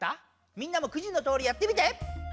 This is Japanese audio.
みんなもくじのとおりやってみて。